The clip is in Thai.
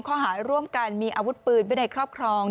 ข้อหาร่วมกันมีอาวุธปืนไว้ในครอบครอง